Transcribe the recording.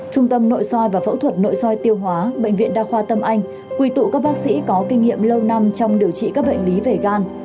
trung tâm nội soi và phẫu thuật nội soi tiêu hóa bệnh viện đa khoa tâm anh quy tụ các bác sĩ có kinh nghiệm lâu năm trong điều trị các bệnh lý về gan